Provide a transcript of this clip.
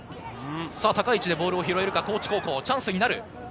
高い位置でボールを得るか、高知高校、チャンスになる。